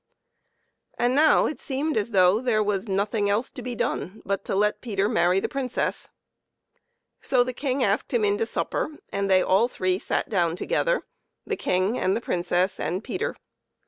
And now it seemed as though there was nothing else to be done but to let Peter marry the Princess. So the King asked him in to supper, and they all three sat down together, the King and the Princess and Peter.